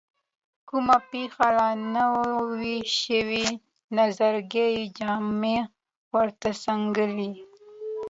کومه پېښه لا نه وي شوې نظرګي یې جامه ورته سکڼي.